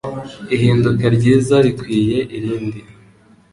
Ihinduka ryiza rikwiye irindi. .